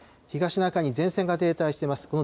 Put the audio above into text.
東シナ海に前線が停滞しています。